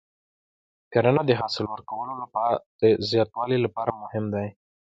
کرنه د حاصل ورکولو د زیاتوالي لپاره مهمه ده.